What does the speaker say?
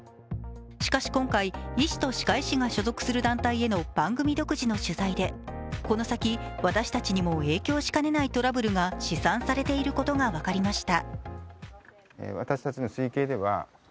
しかし今回、医師と歯科医師が所属する団体への番組独自の取材でこの先、私たちにも影響しかねないトラブルが試算されていることが分かりました。